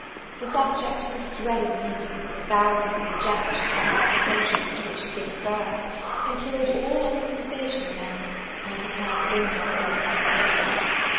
The subject of this dreaded meeting, with the thousand conjectures and apprehensions to which it gives birth, employed all our conversation then, as it has all my thoughts since.